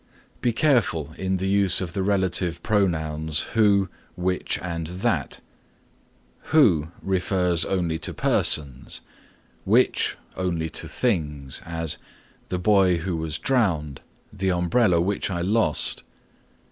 (5) Be careful in the use of the relative pronouns who, which and that. Who refers only to persons; which only to things; as, "The boy who was drowned," "The umbrella which I lost."